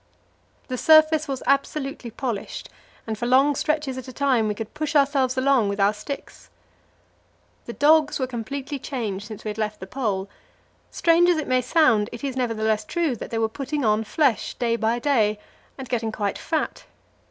The surface was absolutely polished, and for long stretches at a time we could push ourselves along with our sticks. The dogs were completely changed since we had left the Pole; strange as it may sound, it is nevertheless true that they were putting on flesh day by day, and getting quite fat.